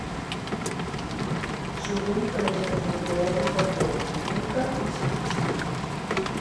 Sovint presenta impureses de plom, níquel i silici.